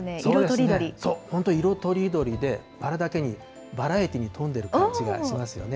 本当、色とりどりで、バラだけにバラエティーに富んでる感じがしますよね。